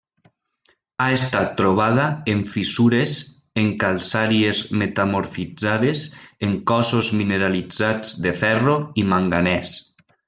Ha estat trobada en fissures en calcàries metamorfitzades en cossos mineralitzats de ferro i manganès.